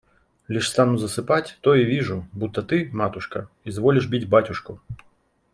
Лишь стану засыпать, то и вижу, будто ты, матушка, изволишь бить батюшку.